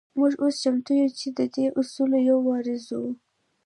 موږ اوس چمتو يو چې د دې اصولو يو وارزوو.